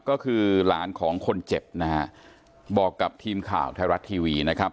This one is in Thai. ก็คือหลานของคนเจ็บนะฮะบอกกับทีมข่าวไทยรัฐทีวีนะครับ